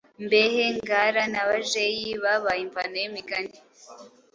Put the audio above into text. mbehe, ngara na bajeyi babaye imvano y’imigani,